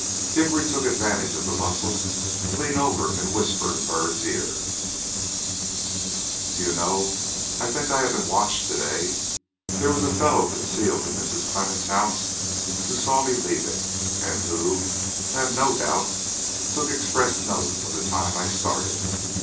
Hickory took advantage of the bustle to lean over and whisper in Byrd's ear: "Do you know I think I have been watched to day. There was a fellow concealed in Mrs. Clemmens' house, who saw me leave it, and who, I have no doubt, took express note of the time I started.